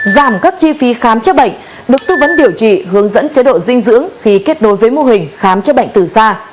giảm các chi phí khám chữa bệnh được tư vấn điều trị hướng dẫn chế độ dinh dưỡng khi kết nối với mô hình khám chữa bệnh từ xa